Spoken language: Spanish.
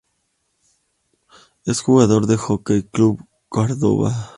Es jugador del Jockey Club Córdoba.